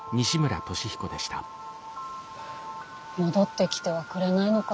戻ってきてはくれないのかしら。